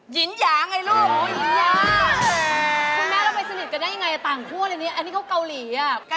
ยินยางไอลูกอ๋อยินยางคุณแม่ก็ไปสนิทกันได้ไงต่างครู่อะไรเนี่ยอันนี้เขาเกาหลีอ่ะ